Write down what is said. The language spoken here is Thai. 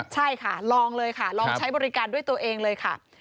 ใช่ค่ะลองเลยค่ะลองใช้บริการด้วยตัวเองเลยค่ะ